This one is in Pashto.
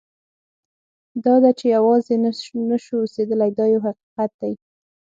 دا ده چې یوازې نه شو اوسېدلی دا یو حقیقت دی.